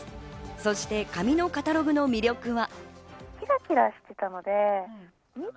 そして紙のカタログの魅力は。